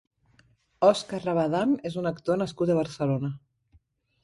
Òscar Rabadán és un actor nascut a Barcelona.